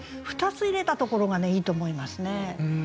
２つ入れたところがいいと思いますね。